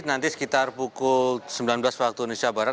nanti sekitar pukul sembilan belas waktu indonesia barat